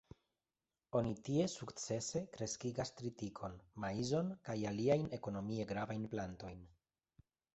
Oni tie sukcese kreskigas tritikon, maizon kaj aliajn ekonomie gravajn plantojn.